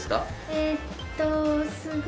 えっと。